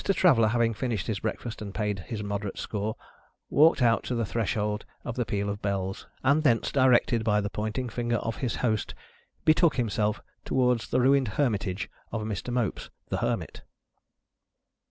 Traveller having finished his breakfast and paid his moderate score, walked out to the threshold of the Peal of Bells, and, thence directed by the pointing finger of his host, betook himself towards the ruined hermitage of Mr. Mopes the hermit.